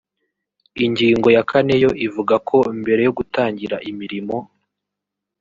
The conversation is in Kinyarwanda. Ingingo ya kane yo ivuga ko mbere yo gutangira imirimo